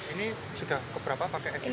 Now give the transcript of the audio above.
ini sudah keberapa pakai e filing